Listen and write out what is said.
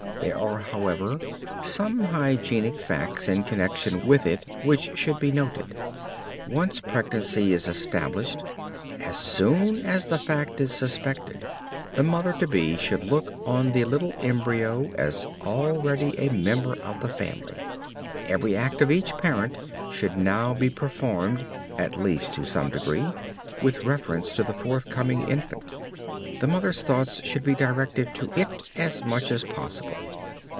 There are, however, some hygienic facts in connection with it which should be noted. Once pregnancy is established, as soon as the fact is suspected, the mother to be should look on the little embryo as already a member of the family. Every act of each parent should now be performed (at least to some degree) with reference to the forthcoming infant. The mother's thoughts should be directed to it as much as possible.